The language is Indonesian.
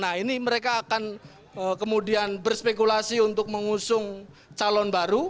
nah ini mereka akan kemudian berspekulasi untuk mengusung calon baru